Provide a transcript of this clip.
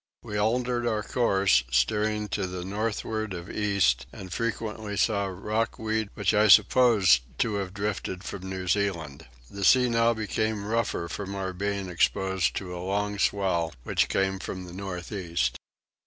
We altered our course, steering to the northward of east, and frequently saw rock weed which I supposed to have drifted from New Zealand. The sea now became rougher from our being exposed to a long swell which came from the north east.